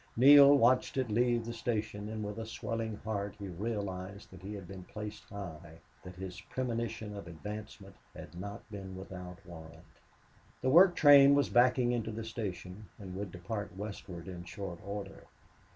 Neale watched it leave the station, and with a swelling heart he realized that he had been placed high, that his premonition of advancement had not been without warrant. The work train was backing into the station and would depart westward in short order.